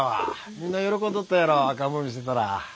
みんな喜んどったやろ赤ん坊見せたら。